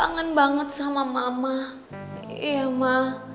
udah udah banget ai pake nanya